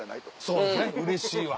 そうですねうれしいわ。